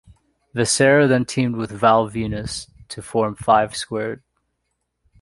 Viscera then teamed with Val Venis to form five-Squared.